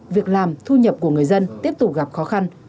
việc làm thu nhập của người dân tiếp tục gặp khó khăn